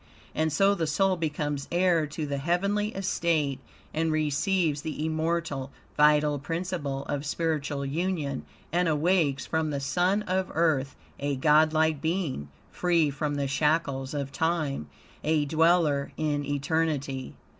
And so the soul becomes heir to the heavenly estate and receives the immortal, vital principle of spiritual union, and awakes from the son of Earth a God like being, free from the shackles of Time a dweller in eternity.